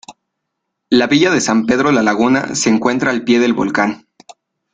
La villa de San Pedro La Laguna se encuentra al pie del volcán.